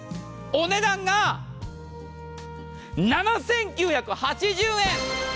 お値段が７９８０円。